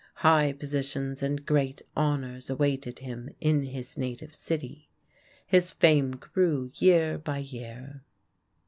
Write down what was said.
High positions and great honors awaited him in his native city. His fame grew year by year.